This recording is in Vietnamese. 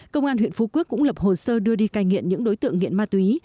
công an huyện phú quốc cũng lập hồ sơ đưa đi cai nghiện những đối tượng nghiện ma túy